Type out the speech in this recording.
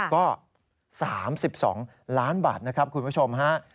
ก็๓๒ล้านบาทนะครับคุณผู้ชมฮะ